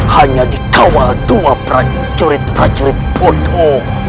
hanya dikawal dua prajurit prajurit podo